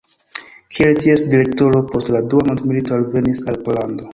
Kiel ties direktoro post la dua mondmilito alvenis al Pollando.